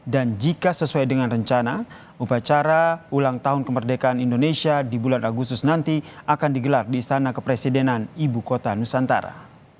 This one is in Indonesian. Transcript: jika sesuai dengan rencana upacara ulang tahun kemerdekaan indonesia di bulan agustus nanti akan digelar di istana kepresidenan ibu kota nusantara